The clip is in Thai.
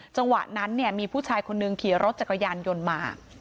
จังหวะนั้นมีผู้ชายคนนึงขี่รถจักรยานยนต์มา